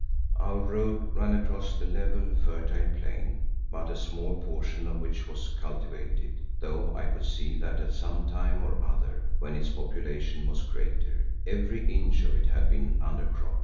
Our road ran across the level, fertile plain but a small portion of which was cultivated, though I could see that at some time or other, when its population was greater, every inch of it had been under crop.